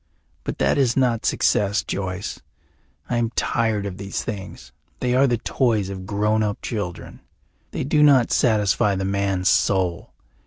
But that is not success, Joyce. I am tired of these things; they are the toys of grown up children; they do not satisfy the man's soul.